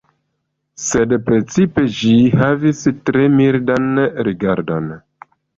Sed precipe, ĝi havis tre mildan rigardon.